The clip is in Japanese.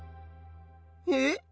えっ？